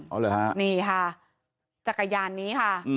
เหรอฮะนี่ค่ะจักรยานนี้ค่ะ